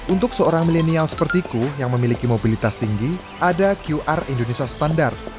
untuk seorang milenial sepertiku yang memiliki mobilitas tinggi ada qr indonesia standar